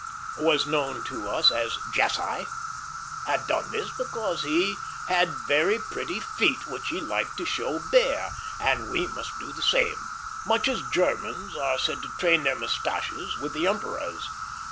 was known to us as Jasseye, had done this because he had very pretty feet which he liked to show bare, and we must do the same; much as Germans are said to train their mustaches with the emperor's.